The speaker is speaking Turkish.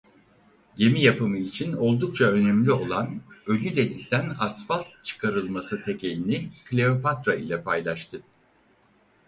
Gemi yapımı için oldukça önemli olan Ölü Deniz'den asfalt çıkarılması tekelini Kleopatra ile paylaştı.